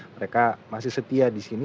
mereka masih setia di sini